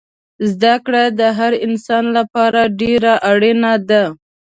زده کړه دهر انسان لپاره دیره اړینه ده